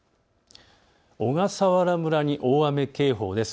小笠原村に大雨警報です。